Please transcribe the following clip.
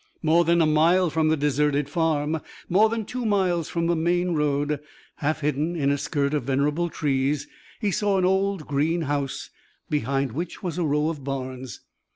More than a mile from the deserted farm, more than two miles from the main road, half hidden in a skirt of venerable trees, he saw an old, green house behind which was a row of barns.